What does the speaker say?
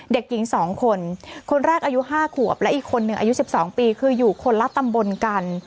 เด็กหญิง๒คนคนแรกอายุ๕ขวบและอีกคนหนึ่งอายุ๑๒ปีคืออยู่คนละตำบลกัน